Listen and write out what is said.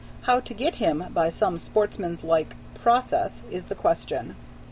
How to get him, by some sportsmanlike process, is the question.